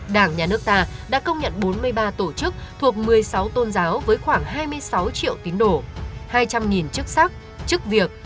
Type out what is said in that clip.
đảng nhà nước ta đã công nhận bốn mươi ba tổ chức thuộc một mươi sáu tôn giáo với khoảng hai mươi sáu triệu tín đồ hai trăm linh chức sắc chức việc